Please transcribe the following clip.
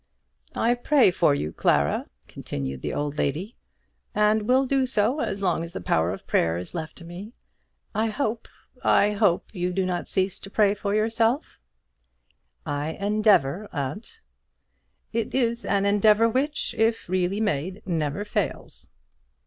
"I pray for you, Clara," continued the old lady; "and will do so as long as the power of prayer is left to me. I hope, I hope you do not cease to pray for yourself?" "I endeavour, aunt." "It is an endeavour which, if really made, never fails."